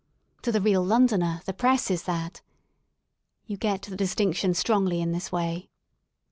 To the real Londoner the press is that. You get the distinction strongly in this way.